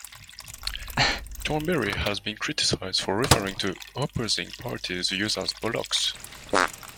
Thornberry has been criticised for referring to opposing parties' views as "bollocks".